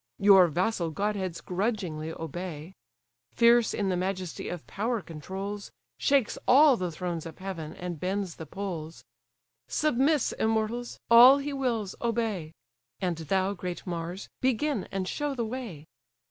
Your vassal godheads grudgingly obey: Fierce in the majesty of power controls; Shakes all the thrones of heaven, and bends the poles. Submiss, immortals! all he wills, obey: And thou, great Mars, begin and show the way.